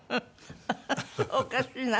おかしいな。